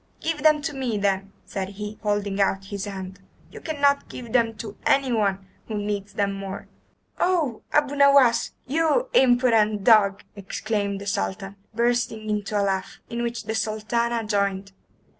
"Give them to me, then," said he, holding out his hand. "You cannot give them to anyone who needs them more." "Oh, Abu Nowas, you impudent dog!" exclaimed the Sultan, bursting into a laugh, in which the Sultana joined.